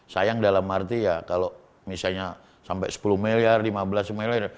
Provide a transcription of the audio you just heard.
sayang dalam arti ya kalau misalnya sampai sepuluh miliar lima belas semuanya